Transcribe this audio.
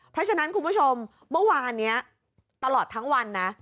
เพราะฉะนั้นคุณผู้ชมเมื่อวานนี้ตลอดทั้งวันนะ